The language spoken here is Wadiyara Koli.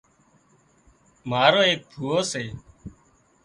مارو ايڪ ڦُوئو سي